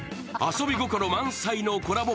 遊び心満載のコラボ